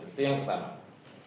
itu yang pertama